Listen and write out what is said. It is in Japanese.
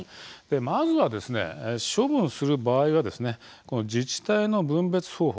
まずは処分する場合は自治体の分別方法